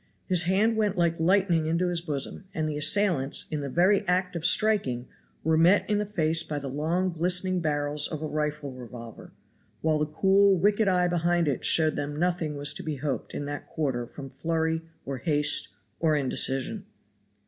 His hand went like lightning into his bosom, and the assailants, in the very act of striking, were met in the face by the long glistening barrels of a rifle revolver, while the cool, wicked eye behind it showed them nothing was to be hoped in that quarter from flurry, or haste, or indecision.